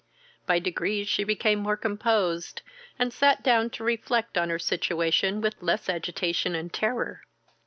By degrees she became more composed, and sat down to reflect on her situation with less agitation and terror.